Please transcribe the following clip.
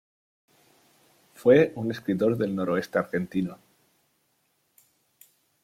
Fue un escritor del Noroeste argentino.